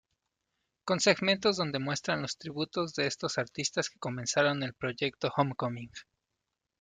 Con segmentos donde muestran los tributos de estos artistas que comenzaron el proyecto Homecoming.